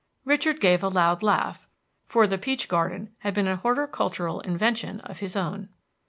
Richard gave a loud laugh, for the peach garden had been a horticultural invention of his own.